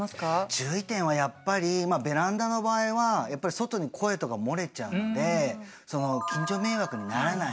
注意点はやっぱりまあベランダの場合はやっぱり外に声とか漏れちゃうのでその近所迷惑にならない。